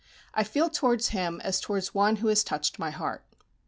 I feel towards him as towards one who has touched my heart.